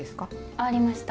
ありました。